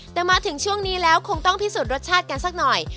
แต่มาถึงช่วงนี้แล้วคงต้องพิสูจน์รสชาติกันสักหน่อย